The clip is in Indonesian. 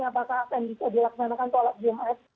apakah akan bisa dilaksanakan sholat jumat